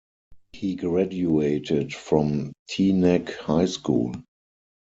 He graduated from Teaneck High School.